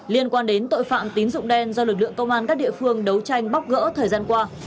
liên quan đến tội phạm tín dụng đen do lực lượng công an các địa phương đấu tranh bóc gỡ thời gian qua